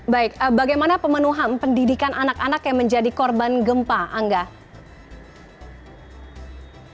baik bagaimana pemenuhan pendidikan anak anak yang menjadi korban gempa angga